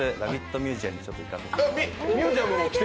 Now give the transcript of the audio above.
ミュージアムに行かせていただいて。